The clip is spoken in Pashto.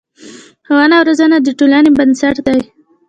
ښوونه او روزنه د ټولنې بنسټ دی.